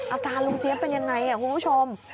อาการลุงเจี๊ยบเป็นยังไงคุณผู้ชม